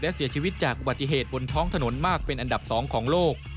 และเสียชีวิตจากอุบัติเหตุบนท้องถนนมากเป็นอันดับ๒ของโลก